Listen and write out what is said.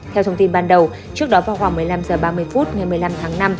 theo thông tin ban đầu trước đó vào khoảng một mươi năm h ba mươi phút ngày một mươi năm tháng năm